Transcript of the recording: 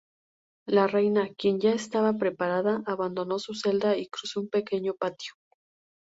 La reina, quien ya estaba preparada, abandonó su celda y cruzó un pequeño patio.